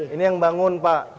ini yang bangun pak